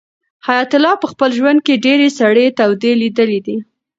حیات الله په خپل ژوند کې ډېرې سړې تودې لیدلې دي.